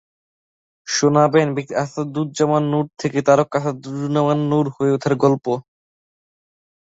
শোনাবেন ব্যক্তি আসাদুজ্জামান নূর থেকে তারকা আসাদুজ্জামান নূর হয়ে ওঠার গল্প।